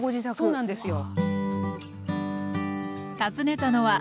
そうなんですよ。